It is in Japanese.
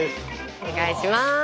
お願いします。